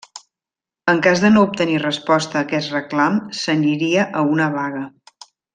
En cas de no obtenir resposta a aquest reclam, s'aniria a una vaga.